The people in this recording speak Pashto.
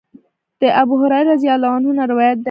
د ابوهريره رضی الله عنه نه روايت دی :